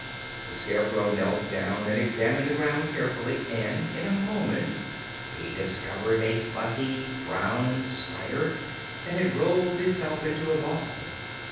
The Scarecrow knelt down and examined the ground carefully, and in a moment he discovered a fuzzy brown spider that had rolled itself into a ball.